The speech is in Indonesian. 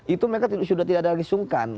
itu mereka sudah tidak ada lagi sungkan